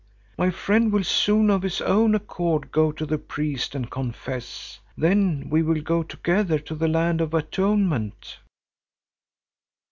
My friend will soon of his own accord go to the priest and confess, then we will go together to the land of atonement."